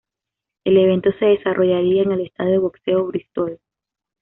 El evento se desarrollaría en el estadio de boxeo Bristol.